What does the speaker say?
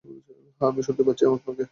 হ্যাঁ, আমি শুনতে পাচ্ছি আপনাকে।